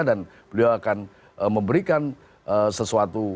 dan beliau akan memberikan sesuatu